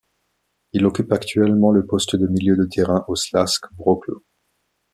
Il occupe actuellement le poste de milieu de terrain au Śląsk Wrocław.